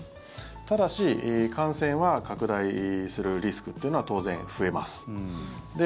ただし感染は拡大するリスクってのは当然増えます。